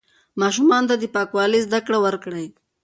ماشومانو ته د پاکوالي زده کړه ورکړئ.